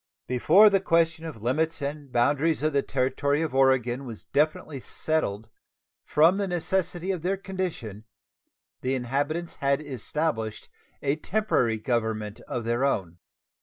Before the question of limits and boundaries of the Territory of Oregon was definitely settled, from the necessity of their condition the inhabitants had established a temporary government of their own.